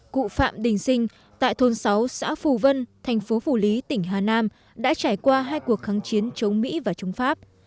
cụ phạm đình sinh tại thôn sáu xã phù vân thành phố phủ lý tỉnh hà nam đã trải qua hai cuộc kháng chiến chống mỹ và chống pháp